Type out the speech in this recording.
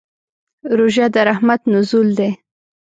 روژه د رحمت نزول دی.